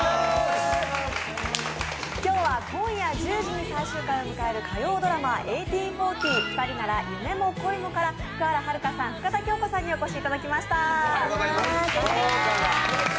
今日は今夜１０時に最終回を迎える火曜ドラマ「１８／４０ふたりなら夢も恋も」から福原遥さん、深田恭子さんにお越しいただきました。